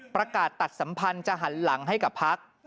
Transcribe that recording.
ประกาศตัดสัมพันธ์จะหันหลังให้กับพัก